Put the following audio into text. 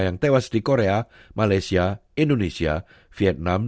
yang tewas di korea malaysia indonesia vietnam